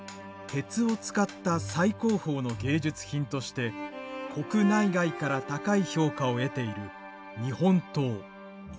鉄を使った最高峰の芸術品として国内外から高い評価を得ている日本刀。